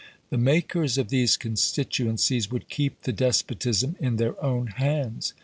The makers of these constituencies would keep the despotism in their own hands.